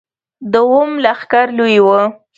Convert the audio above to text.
دوهم لښکر لوی و.